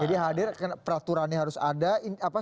jadi hadir peraturannya harus ada